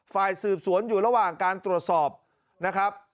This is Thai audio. ฝ่ายสืบสวนอยู่ระหว่างการตรวจสอบนะครับ